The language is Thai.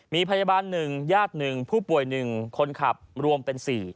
มีพยาบาลหนึ่งญาติหนึ่งผู้ป่วยหนึ่งคนขับรวมเป็น๔